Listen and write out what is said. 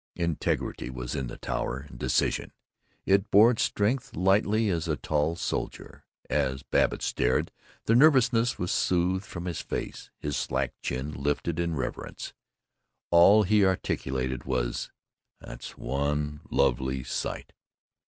Integrity was in the tower, and decision. It bore its strength lightly as a tall soldier. As Babbitt stared, the nervousness was soothed from his face, his slack chin lifted in reverence. All he articulated was "That's one lovely sight!"